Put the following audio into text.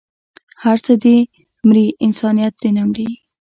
هر څه دې مري انسانيت دې نه مري